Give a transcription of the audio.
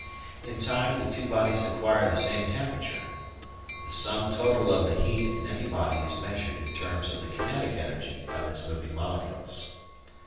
In time the two bodies acquire the same temperature. The sum total of the heat in any body is measured in terms of the kinetic energy of its moving molecules.